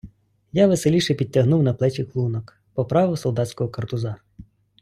Я веселіше підтягнув на плечі клунок, поправив солдатського картуза.